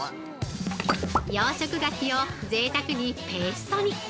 養殖牡蠣をぜいたくにペーストに。